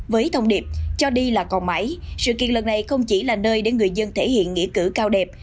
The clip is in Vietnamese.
với thông điệp cho đi là còn mãi sự kiện lần này không chỉ là nơi để người dân thể hiện nghĩa cử cao đẹp